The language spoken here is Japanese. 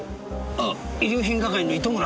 あっ遺留品係の糸村だ。